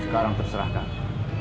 sekarang terserah kamu